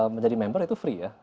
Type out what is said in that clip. menjadi member itu free ya